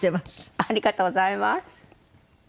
ありがとうございます。